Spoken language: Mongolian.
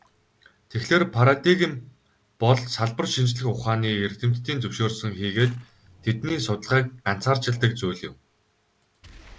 Тэгэхлээр, парадигм бол салбар шинжлэх ухааны эрдэмтдийн зөвшөөрсөн хийгээд тэдний судалгааг газарчилдаг зүйл юм.